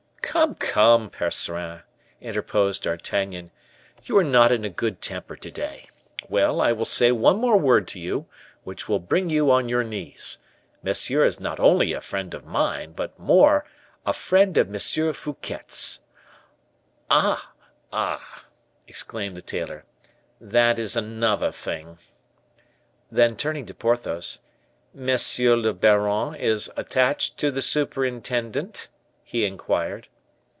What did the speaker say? "Come, come, Percerin," interposed D'Artagnan, "you are not in a good temper to day. Well, I will say one more word to you, which will bring you on your knees; monsieur is not only a friend of mine, but more, a friend of M. Fouquet's." "Ah! ah!" exclaimed the tailor, "that is another thing." Then turning to Porthos, "Monsieur le baron is attached to the superintendent?" he inquired.